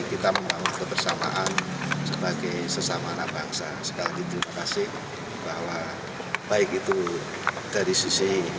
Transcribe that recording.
kita membangun kebersamaan sebagai sesama anak bangsa sekali lagi terima kasih bahwa baik itu dari sisi